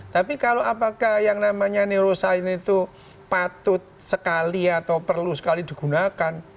tapi kalau apakah yang namanya neuroscience itu patut sekali atau perlu sekali digunakan